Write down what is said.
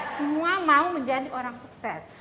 semua mau menjadi orang sukses